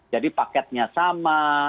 jadi paketnya sama